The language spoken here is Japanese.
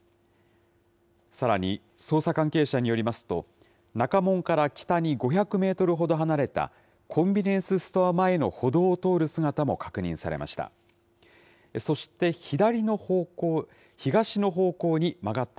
さらに、捜査関係者によりますと、中門から北に５００メートルほど離れたコンビニエンスストア前の歩道を通る姿も確認されました。